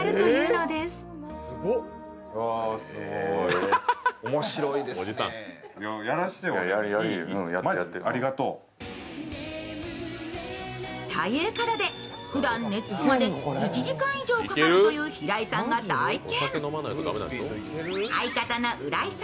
ということでふだん寝つくまで１時間以上かかるという平井さんが体験。